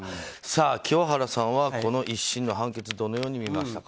清原さんはこの１審の判決どのように見ましたか。